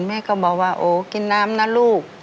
แม่ก็บอกว่าโอ้กินน้ำนะลูก